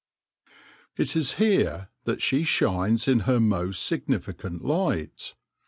It is here that she shines in her most significant light.